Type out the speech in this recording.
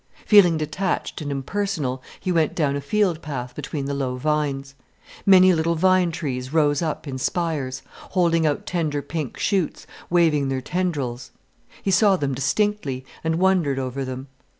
Feeling detached and impersonal, he went down a field path between the low vines. Many little vine trees rose up in spires, holding out tender pink shoots, waving their tendrils. He saw them distinctly and wondered over them.